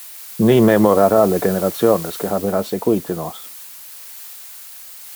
Ni memorara le generationes que habera sequite nos.